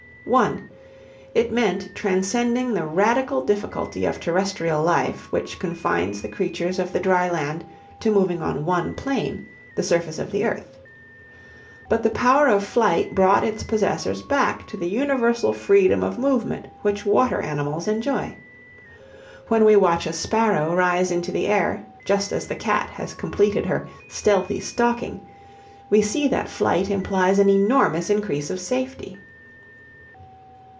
(1) It meant transcending the radical difficulty of terrestrial life which confines the creatures of the dry land to moving on one plane, the surface of the earth. But the power of flight brought its possessors back to the universal freedom of movement which water animals enjoy. When we watch a sparrow rise into the air just as the cat has completed her stealthy stalking, we see that flight implies an enormous increase of safety.